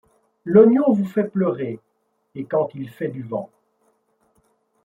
L'oignon vous fait pleurer, et quand il fait du vent